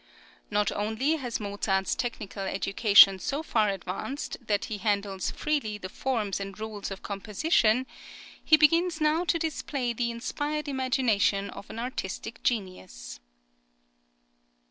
Not only has Mozart's technical education so far advanced, that he handles freely the forms and rules of composition; he begins now to display the inspired imagination of an artistic genius.